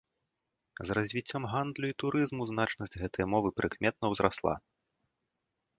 З развіццём гандлю і турызму значнасць гэтай мовы прыкметна ўзрасла.